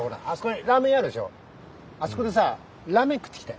あそこでさラーメン食ってきて。